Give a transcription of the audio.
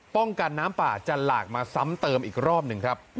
ป้องกันน้ำป่าจะหลากมาซ้ำเติมอีกรอบหนึ่งครับ